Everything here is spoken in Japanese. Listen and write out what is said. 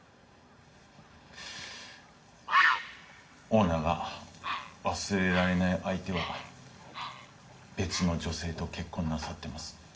オーナーが忘れられない相手は別の女性と結婚なさってます。